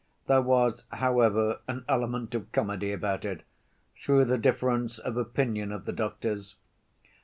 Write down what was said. There was, however, an element of comedy about it, through the difference of opinion of the doctors.